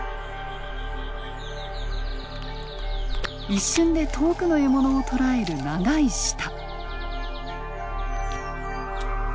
一瞬で遠くの獲物を捕らえる長い舌。